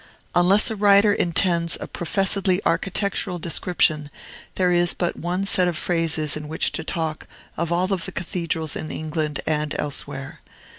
Unless a writer intends a professedly architectural description, there is but one set of phrases in which to talk of all the cathedrals in England and elsewhere.